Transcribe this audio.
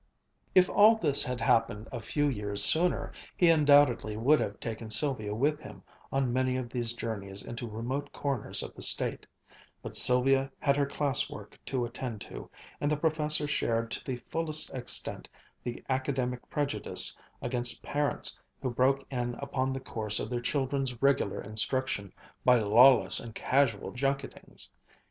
If all this had happened a few years sooner, he undoubtedly would have taken Sylvia with him on many of these journeys into remote corners of the State, but Sylvia had her class work to attend to, and the Professor shared to the fullest extent the academic prejudice against parents who broke in upon the course of their children's regular instruction by lawless and casual junketings.